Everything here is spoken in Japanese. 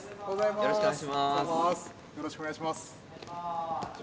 よろしくお願いします。